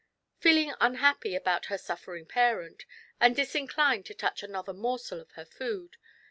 Feeling unhappy about her suffering parent, and dis inclined to touch another morsel of her food.